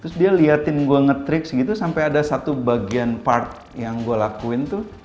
terus dia liatin gue nge triks gitu sampai ada satu bagian part yang gue lakuin tuh